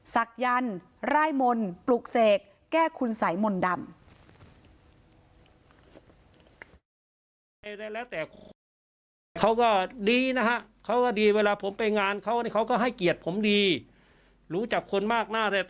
ศักยรรย์ไร่มนตร์ปลูกเสกแก้คุณสายมนตร์ดำ